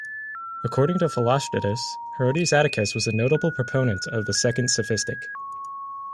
According to Philostratus, Herodes Atticus was a notable proponent of the Second Sophistic.